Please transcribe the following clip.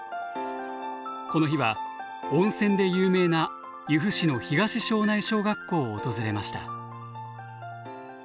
この日は温泉で有名な由布市の東庄内小学校を訪れました。